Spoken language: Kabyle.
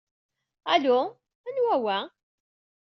Alu, anwa wa?